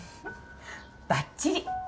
ばっちり。